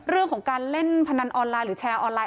เรื่องของการเล่นพนันออนไลน์หรือแชร์ออนไลน